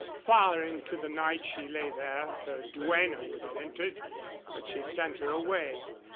Far into the night she lay there. Her duenna would have entered, but she sent her away.